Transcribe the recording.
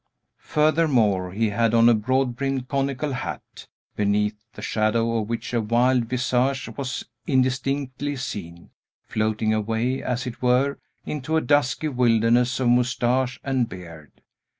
Furthermore, he had on a broad brimmed, conical hat, beneath the shadow of which a wild visage was indistinctly seen, floating away, as it were, into a dusky wilderness of mustache and beard.